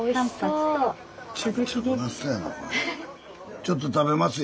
ちょっと食べますよ。